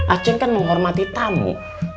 acing kan menghormati tamu